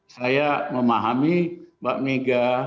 saya memahami mbak mega